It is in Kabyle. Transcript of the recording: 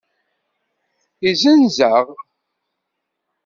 Izzenz-aɣ.